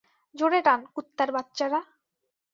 জোরে টান, কুত্তার বাচ্চারা!